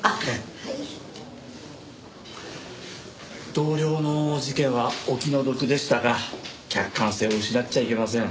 同僚の事件はお気の毒でしたが客観性を失っちゃいけません。